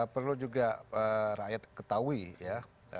perlu juga rakyat ketahui ya